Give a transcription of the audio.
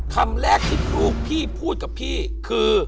คำแรกที่ลูกพี่พูดกับพี่คือ